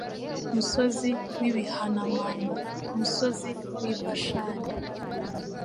Musozi w’ibihanamanga musozi w’i Bashani